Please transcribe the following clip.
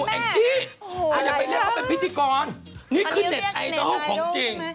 แองจี้เธออย่าไปเรียกเขาเป็นพิธีกรนี่คือเน็ตไอดอลของจริง